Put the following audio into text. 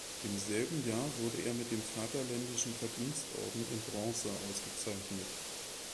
Im selben Jahr wurde er mit dem Vaterländischen Verdienstorden in Bronze ausgezeichnet.